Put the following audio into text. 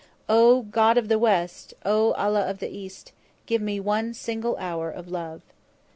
"O God of the West! O Allah of the East! Give me one single hour of love!"